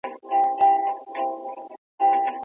ماشوم په خپلو ډنگرو پښو تکیه کړې وه.